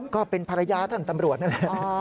ก็เป็นภรรยาท่านตำรวจนั่นแหละ